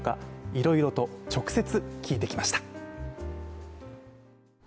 いろいろと直接聞いてきました。